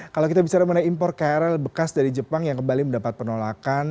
kalau kita bicara mengenai impor krl bekas dari jepang yang kembali mendapat penolakan